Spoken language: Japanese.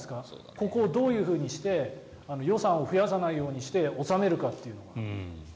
ここをどういうふうにして予算を増やさないようにして収めるかという。